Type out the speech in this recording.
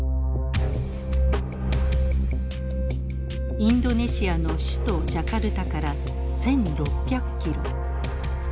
インドネシアの首都ジャカルタから１，６００キロ。